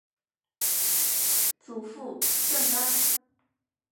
祖父郑刚。